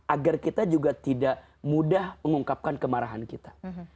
agar kita juga tidak mudah mengungkapkan kemarahan kita